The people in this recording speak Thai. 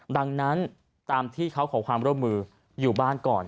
ดังนั้นตามที่เขาขอความร่วมมืออยู่บ้านก่อน